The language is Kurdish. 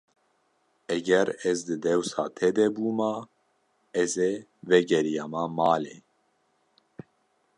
Eger ez di dewsa te de bûma, ez ê vegeriyama malê.